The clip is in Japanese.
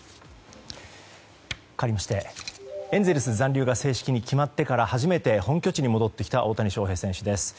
かわりましてエンゼルス残留が正式に決まってから初めて本拠地に戻ってきた大谷翔平選手です。